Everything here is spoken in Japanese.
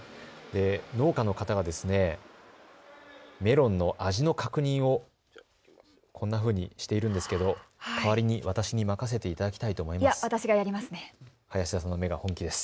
農家の方はメロンの味の確認をこんな風にしているんですけれども、代わりに私に任せていただきたいと思います。